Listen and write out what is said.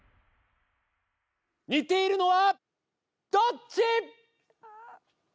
似ているのはどっち？